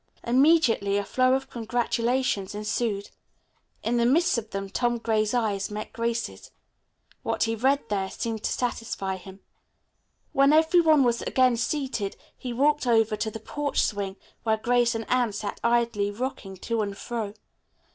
Immediately a flow of congratulations ensued. In the midst of them Tom Gray's eyes met Grace's. What he read there seemed to satisfy him. When every one was again seated he walked over to the porch swing where Grace and Anne sat idly rocking to and fro.